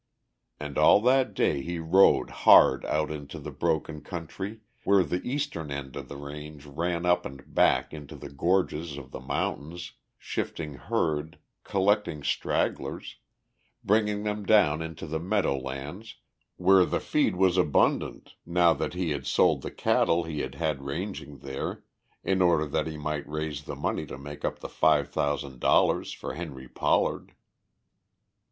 And all that day he rode hard out in the broken country where the eastern end of the range ran up and back into the gorges of the mountains, shifting herd, collecting stragglers, bringing them down into the meadow lands where the feed was abundant now that he had sold the cattle he had had ranging there in order that he might raise the money to make up the five thousand dollars for Henry Pollard.